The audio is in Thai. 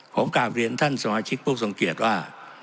ผมกลับเรียนท่านสมาชิกผู้ทรงเกียจว่า